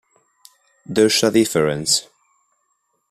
There's a difference.